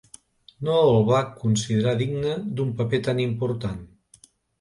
No el va considerar digne d'un paper tan important.